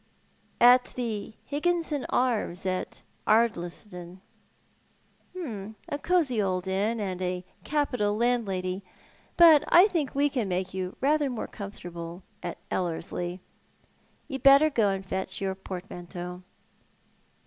" At the Higginson Arms at Ardliston." " A cosy old inn and a capital landlady, but I think we can make you rather more comfortable at EUerslie. You'd better go and fetch your portmanteau."